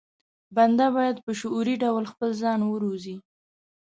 بنده بايد په شعوري ډول خپل ځان وروزي.